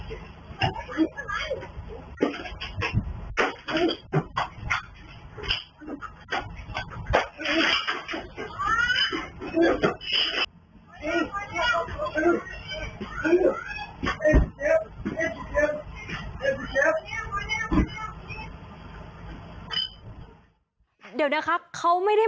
เมื่อเวลาเกิดขึ้นมันกลายเป้าหมายและกลายเป้าหมาย